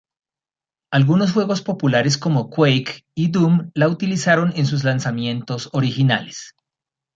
Algunos juegos populares como "Quake" y "Doom" la utilizaron en sus lanzamientos originales.